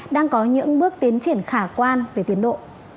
đang có những bước tiến triển khả quan về tiến độ